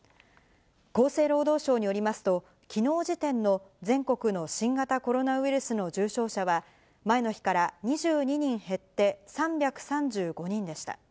厚生労働省によりますと、きのう時点の全国の新型コロナウイルスの重症者は、前の日から２２人減って３３５人でした。